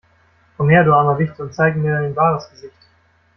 Komm her, du armer Wicht, und zeige mir dein wahres Gesicht!